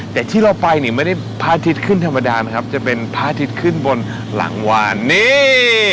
แต่ที่เราไปเนี่ยไม่ได้พาทิศขึ้นธรรมดานะครับจะเป็นพาทิศขึ้นบนหลังวาลนี่